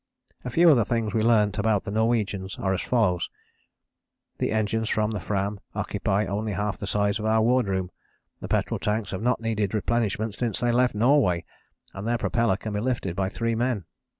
"A few of the things we learnt about the Norwegians are as follows: "The engines of the Fram occupy only half the size of our wardroom, the petrol tanks have not needed replenishment since they left Norway, and their propeller can be lifted by three men.